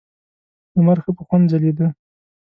لمر ښه په خوند ځلېده.